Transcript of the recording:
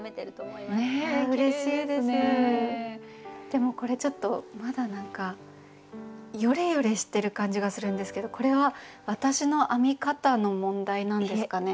でもこれちょっとまだなんかヨレヨレしてる感じがするんですけどこれは私の編み方の問題なんですかね。